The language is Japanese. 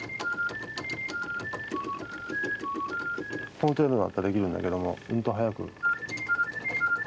この程度だったらできるんだけどもうんと速く。